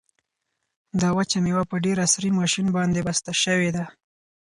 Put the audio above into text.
دا وچه مېوه په ډېر عصري ماشین باندې بسته شوې ده.